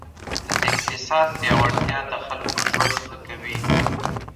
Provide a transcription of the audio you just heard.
د اقتصاد پیاوړتیا د خلکو ژوند ښه کوي.